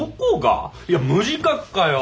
いや無自覚かよ！